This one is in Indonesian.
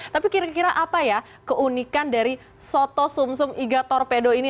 tapi kira kira apa ya keunikan dari soto sum sum iga torpedo ini